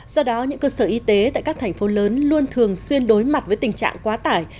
do đó những cơ sở y tế tại các thành phố lớn luôn thường xuyên đối mặt với tình trạng quá tải